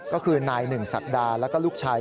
ก็คือนายหนึ่งศักดาแล้วก็ลูกชาย